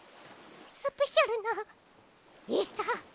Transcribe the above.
スペシャルのエサ？